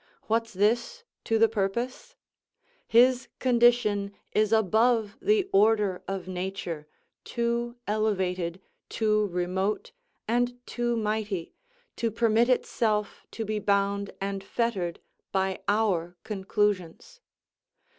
What's this to the purpose? His condition is above the order of nature, too elevated, too remote, and too mighty, to permit itself to be bound and fettered by our conclusions.